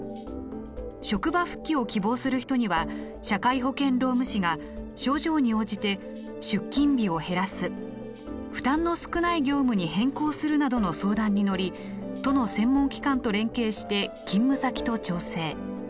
職場復帰を希望する人には社会保険労務士が症状に応じて出勤日を減らす負担の少ない業務に変更するなどの相談に乗り都の専門機関と連携して勤務先と調整。